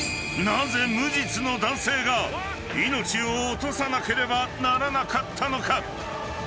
［なぜ無実の男性が命を落とさなければならなかったのか？］